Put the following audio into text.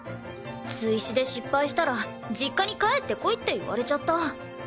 追試で失敗したら実家に帰ってこいって言われちゃった。